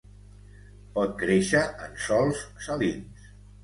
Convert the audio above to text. Pot créixer en sòls salins.